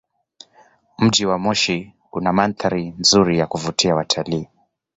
Mji wa Moshi una mandhari nzuri ya kuvutia watalii.